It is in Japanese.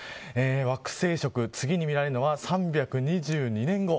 惑星食次に見られるのは３２２年後。